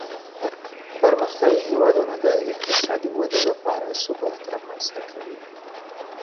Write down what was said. پرمختيايي هېوادونه د اقتصادي ودې لپاره ثبات رامنځته کوي.